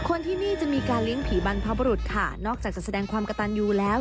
คนที่นี่จะมีการเลี้ยงผีบรรพบรุษค่ะนอกจากจะแสดงความกระตันอยู่แล้ว